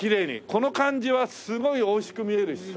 この感じはすごい美味しく見えるしさ。